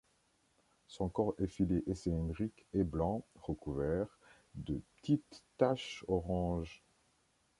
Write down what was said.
Son corps effilé et cylindrique est blanc recouvert de petites taches orange.